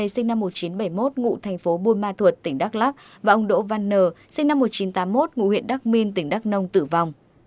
sinh năm một nghìn chín trăm bảy mươi một ngụ thành phố buôn ma thuột tỉnh đắk lắc và ông đỗ văn n sinh năm một nghìn chín trăm tám mươi một ngụ huyện đắc minh tỉnh đắk nông tử vong